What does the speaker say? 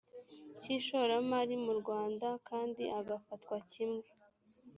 cy ishoramari mu rwanda kandi agafatwa kimwe